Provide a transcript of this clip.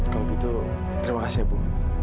kalau gitu terima kasih bu